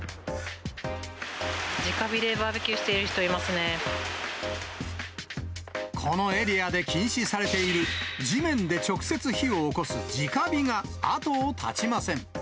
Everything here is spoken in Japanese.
じか火でバーベキューしてるこのエリアで禁止されている、地面で直接、火を起こすじか火が後を絶ちません。